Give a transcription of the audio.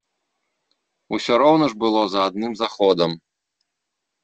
Усё роўна ж было за адным заходам.